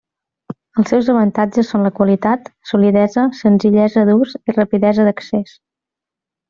Els seus avantatges són la qualitat, solidesa, senzillesa d'ús i rapidesa d'accés.